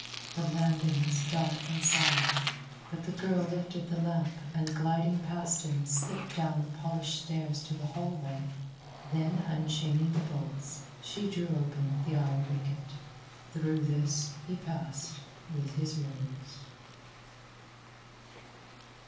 The landing was dark and silent, but the girl lifted the lamp and gliding past him slipped down the polished stairs to the hallway. Then unchaining the bolts, she drew open the iron wicket. Through this he passed with his rose.